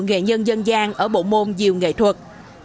nghệ nhân dân gian ở bộ môn diều nghệ thuật